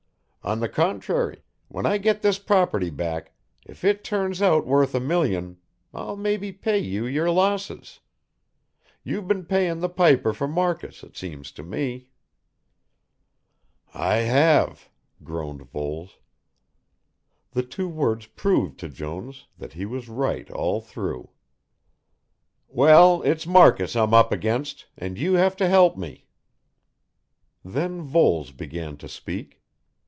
On the contrary, when I get this property back, if it turns out worth a million, I'll maybe pay you your losses. You've been paying the piper for Marcus, it seems to me." "I have," groaned Voles. The two words proved to Jones that he was right all through. "Well, it's Marcus I'm up against, and you have to help me." Then Voles began to speak.